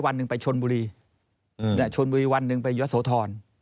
วันหนึ่งไปชนบุรีชนบุรีวันหนึ่งไปยะโสธร